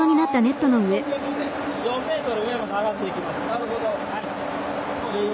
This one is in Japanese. なるほど。